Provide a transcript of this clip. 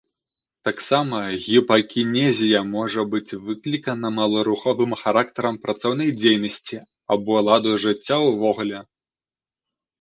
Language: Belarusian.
Таксама гіпакінезія можа быць выклікана маларухавым характарам працоўнай дзейнасці або ладу жыцця ўвогуле.